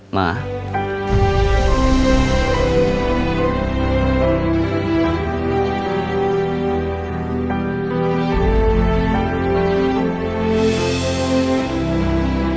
mama nggak ada